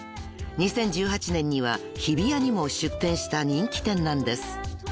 ［２０１８年には日比谷にも出店した人気店なんです］